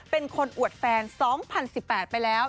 เป็นคนอวดแฟน๒๐๑๘ไปแล้ว